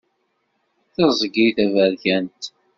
Tiẓgi taberkant.